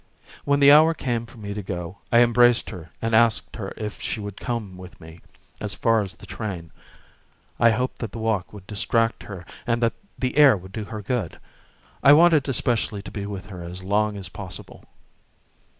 When the hour came for me to go, I embraced her and asked her if she would come with me as far as the train; I hoped that the walk would distract her and that the air would do her good. I wanted especially to be with her as long as possible.